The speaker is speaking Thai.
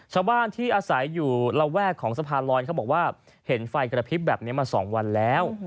ชาวบ้านที่อาศัยอยู่ระแวกของสะพานลอยเขาบอกว่าเห็นไฟกระพริบแบบนี้มา๒วันแล้ว